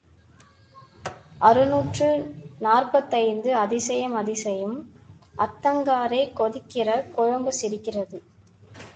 அறுநூற்று நாற்பத்தைந்து அதிசயம் அதிசயம் அத்தங்காரே கொதிக்கிற குழம்பு சிரிக்கிறது.